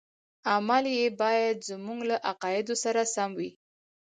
عمل یې باید زموږ له عقایدو سره سم وي.